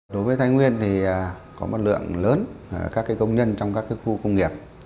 đối với thái nguyên thì có một lượng lớn các cái công nhân trong các cái khu công nghiệp